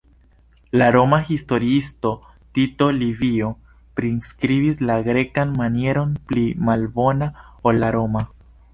La Roma historiisto Tito Livio priskribis la grekan manieron pli malbona ol la roma.